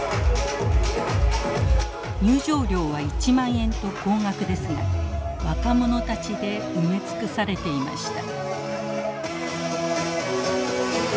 入場料は１万円と高額ですが若者たちで埋め尽くされていました。